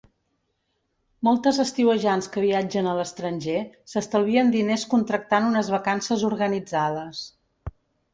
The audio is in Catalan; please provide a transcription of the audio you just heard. Moltes estiuejants que viatgen a l'estranger s'estalvien diners contractant unes vacances organitzades.